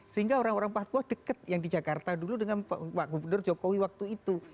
sehingga orang orang papua dekat yang di jakarta dulu dengan pak gubernur jokowi waktu itu